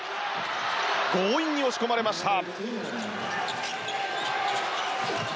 強引に押し込まれました。